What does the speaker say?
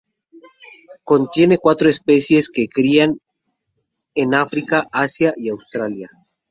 Contiene cuatro especies que crían en África, Asia y Australasia.